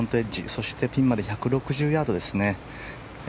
そして、ピンまで１６０ヤードですね。